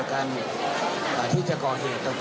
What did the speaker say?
กับที่จะก่อเหทต่าง